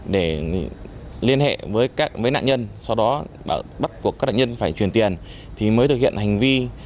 để liên hệ với nạn nhân sau đó bắt buộc các nạn nhân phải truyền tiền thì mới thực hiện hành vi